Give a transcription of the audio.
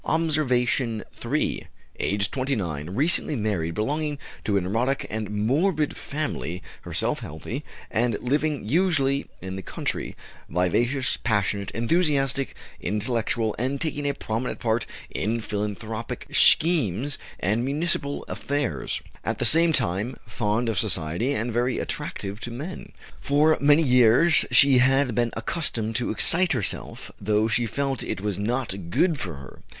OBSERVATION III. Aged 29, recently married, belonging to a neurotic and morbid family, herself healthy, and living usually in the country; vivacious, passionate, enthusiastic, intellectual, and taking a prominent part in philanthropic schemes and municipal affairs; at the same time, fond of society, and very attractive to men. For many years she had been accustomed to excite herself, though she felt it was not good for her.